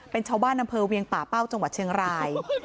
เป็นชาวบ้านอำเภอเวียงป่าเป้าจังหวัดเชียงราย